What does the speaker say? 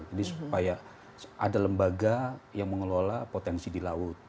jadi supaya ada lembaga yang mengelola potensi di laut